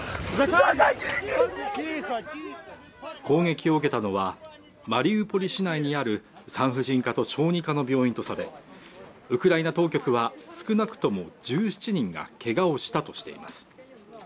攻撃を受けたのはマリウポリ市内にある産婦人科と小児科の病院とされウクライナ当局は少なくとも１７人がけがをしたとしています